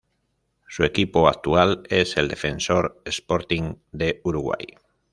Su equipo actual es el Defensor Sporting de Uruguay.